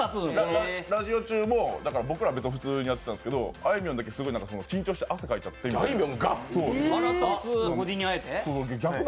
ラジオ中も僕ら、普通にやってたんですけど、あいみょんさんが緊張して汗かいちゃってみたいな。